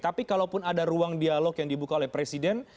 tapi kalaupun ada ruang dialog yang dibuka oleh presiden